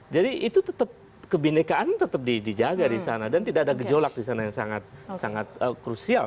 jadi itu tetap kebindekaan tetap dijaga di sana dan tidak ada gejolak di sana yang sangat krusial